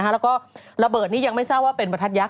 แล้วก็ระเบิดนี้ยังไม่ทราบว่าเป็นประทัดยักษ